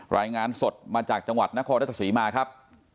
รายงานสดมาจากจังหวัดนครรัฐศรีมาครับ